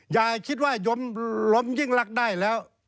อย่าคิดว่ายมล้มยิ่งรักได้แล้ว